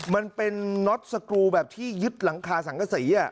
มันเป็นน็อตสกรูแบบที่ยึดหลังคาสังกษี